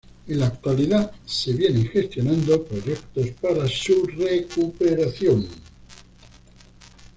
En la actualidad se vienen gestionando proyectos para su recuperación.